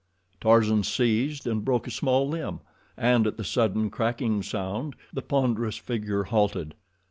Tarzan seized and broke a small tree limb, and at the sudden cracking sound the ponderous figure halted.